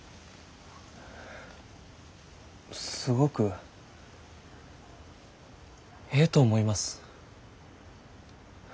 すごくええと思います。